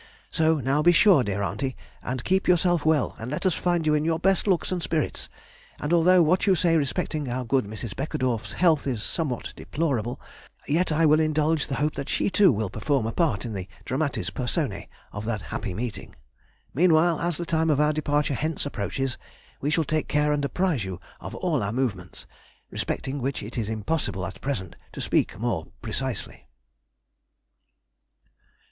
So now be sure, dear aunty, and keep yourself well, and let us find you in your best looks and spirits; and, although what you say respecting our good Mrs. Beckedorff's health is somewhat deplorable, yet I will indulge the hope that she too will perform a part in the dramatis personæ of that happy meeting. Meanwhile, as the time of our departure hence approaches, we shall take care and apprise you of all our movements, respecting which it is impossible at present to speak more precisely.